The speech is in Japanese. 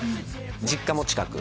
実家も近く。